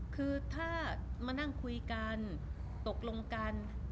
คือถ้ามานั่งคุยกันตกลงกัน